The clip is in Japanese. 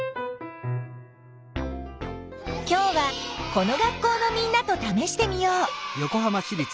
きょうはこの学校のみんなとためしてみよう。